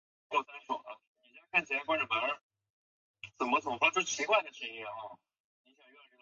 弘治二年入为顺天府尹。